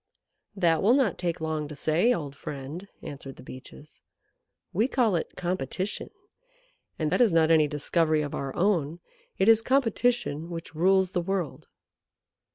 "That will not take long to say, old friend," answered the Beeches. "We call it competition, and that is not any discovery of our own. It is competition which rules the world."